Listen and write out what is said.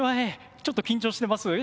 ちょっと緊張してます？